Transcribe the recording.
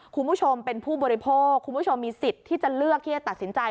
คุณผู้ชมเป็นผู้บริโภคคุณผู้ชมมีสิทธิ์ที่จะเลือกที่จะตัดสินใจ